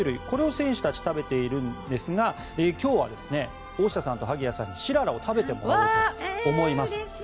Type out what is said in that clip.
これを選手たち食べているんですが今日は大下さんと萩谷さんにしららを食べてもらおうと思います。